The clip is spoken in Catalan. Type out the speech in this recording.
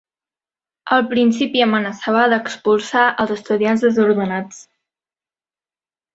El principi amenaçava d'expulsar els estudiants desordenats.